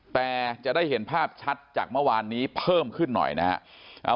แต่จะได้เห็นภาพชัดจากเมื่อวานนี้เพิ่มขึ้นหน่อยนะครับ